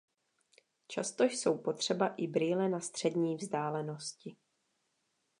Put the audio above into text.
Často jsou potřeba i brýle „na střední vzdálenosti“.